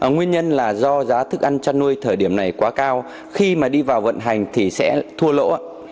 nguyên nhân là do giá thức ăn chăn nuôi thời điểm này quá cao khi mà đi vào vận hành thì sẽ thua lỗ